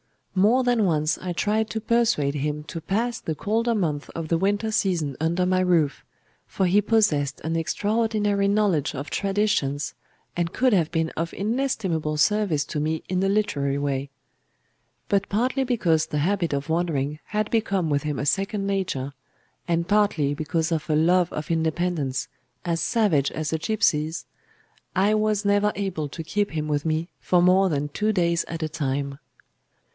More than once I tried to persuade him to pass the colder months of the winter season under my roof,—for he possessed an extraordinary knowledge of traditions, and could have been of inestimable service to me in a literary way. But partly because the habit of wandering had become with him a second nature, and partly because of a love of independence as savage as a gipsy's, I was never able to keep him with me for more than two days at a time.